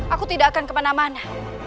aku tidak akan kemana mana